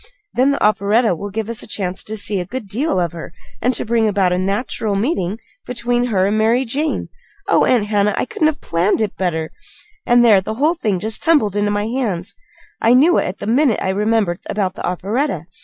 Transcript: Then the operetta will give us a chance to see a good deal of her, and to bring about a natural meeting between her and Mary Jane. Oh, Aunt Hannah, I couldn't have planned it better and there the whole thing just tumbled into my hands! I knew it had the minute I remembered about the operetta.